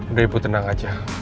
udah ibu tenang aja